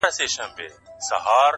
د قدرت نشه مي نه پرېږدي تر مرگه!.